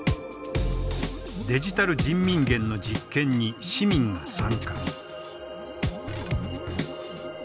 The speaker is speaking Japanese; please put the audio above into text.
デジタル人民元の実験に市民が参加。